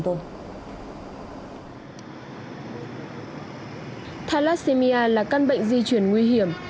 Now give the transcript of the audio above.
thalassemia là căn bệnh di truyền nguy hiểm